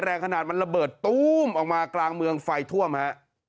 แรงขนาดมันระเบิดตู้มออกมากลางเมืองไฟท่วมฮะ